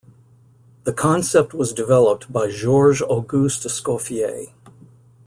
The concept was developed by Georges Auguste Escoffier.